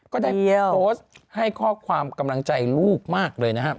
ก็ได้โพสต์ให้ข้อความกำลังใจลูกมากเลยนะครับ